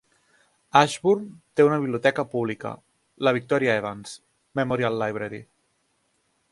Ashburn té una biblioteca pública, la Victoria Evans Memorial Library.